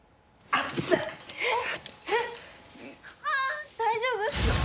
ああっ大丈夫？